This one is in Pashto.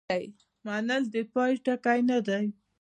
منل د پای ټکی نه دی.